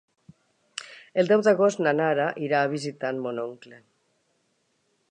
El deu d'agost na Nara irà a visitar mon oncle.